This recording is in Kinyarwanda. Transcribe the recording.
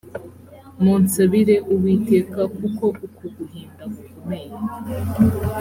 munsabire uwiteka kuko uku guhinda gukomeye